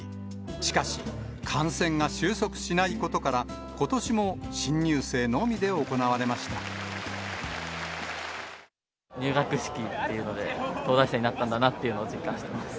しかし、感染が収束しないことから、ことしも新入生のみで行われまし入学式っていうので、東大生になったんだなというのを実感してます。